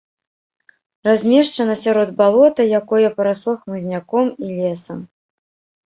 Размешчана сярод балота, якое парасло хмызняком і лесам.